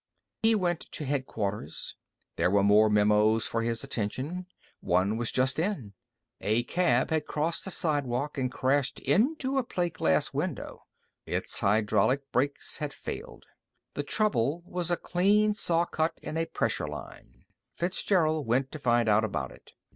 He went to Headquarters. There were more memos for his attention. One was just in. A cab had crossed a sidewalk and crashed into a plate glass window. Its hydraulic brakes had failed. The trouble was a clean saw cut in a pressure line. Fitzgerald went to find out about it.